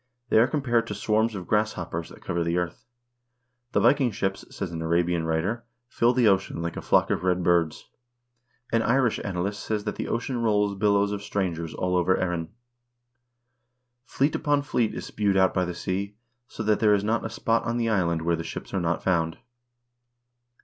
They are compared to swarms of grasshoppers that cover the earth. The Viking ships, says an Arabian writer, fill the ocean like a flock of red birds. An Irish annalist says that the ocean rolls billows of strangers over all Erin. Fleet upon fleet is spewed out by the sea, so that there is not a spot in the island where their ships are not found.